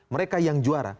mereka yang juara